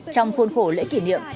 trong khuôn khổ lễ kỷ niệm